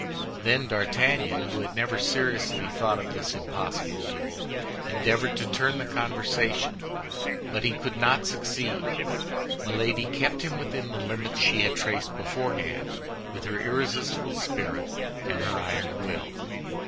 Then D'Artagnan, who had never seriously thought of this impossible duel, endeavored to turn the conversation; but he could not succeed. Milady kept him within the limits she had traced beforehand with her irresistible spirit and her iron will.